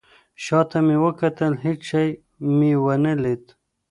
شاته مې وکتل. هیڅ شی مې ونه لید